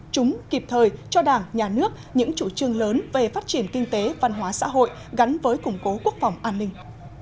chúng kịp thời cho đảng nhà nước những chủ trương lớn về phát triển kinh tế văn hóa xã hội gắn với củng cố quốc phòng an ninh